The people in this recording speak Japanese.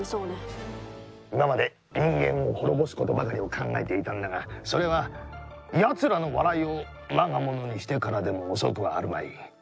いままでにんげんをほろぼすことばかりをかんがえていたんだがそれはやつらの笑いをわがものにしてからでもおそくはあるまい。